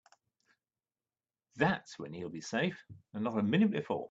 That's when he'll be safe and not a minute before.